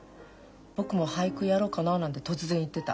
「僕も俳句やろうかな」なんて突然言ってた。